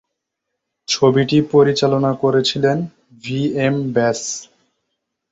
ছবিটি পরিচালনা করেছিলেন ভি এম ব্যাস।